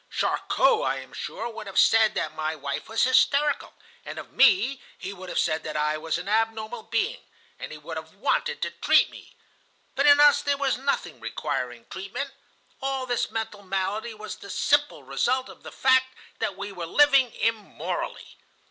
Charcot, I am sure, would have said that my wife was hysterical, and of me he would have said that I was an abnormal being, and he would have wanted to treat me. But in us there was nothing requiring treatment. All this mental malady was the simple result of the fact that we were living immorally.